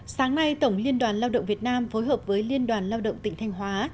sáng nay tổng liên đoàn lao động việt nam phối hợp với liên đoàn lao động tỉnh thanh hóa